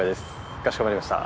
かしこまりました。